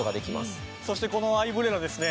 そしてこのアイブレラですね